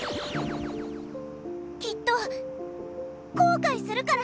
きっと後かいするから！